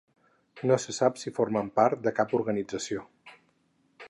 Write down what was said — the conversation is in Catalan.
No se sap si formen part de cap organització.